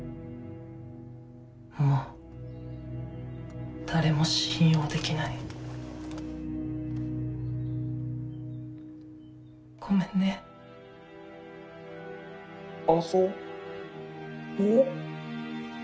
もう誰も信用できないごめんねあそぼう？